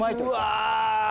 うわ。